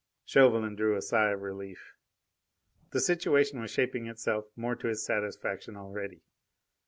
Chauvelin drew a sigh of relief. The situation was shaping itself more to his satisfaction already.